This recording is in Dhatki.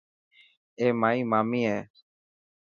اي مائي مامي هي.